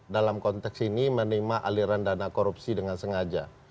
dalam konteks ini menerima aliran dana korupsi dengan sengaja